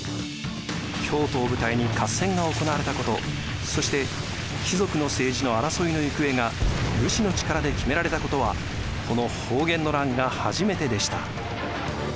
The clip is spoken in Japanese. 京都を舞台に合戦が行われたことそして貴族の政治の争いの行方が武士の力で決められたことはこの保元の乱が初めてでした。